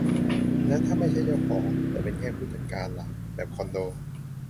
แล้วถ้าไม่ใช่เจ้าของ แต่เป็นแค่ผู้จัดการล่ะ ? แบบคอนโด